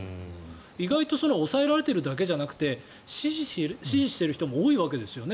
意外と抑えられているだけじゃなくて支持している人も多いわけですよね。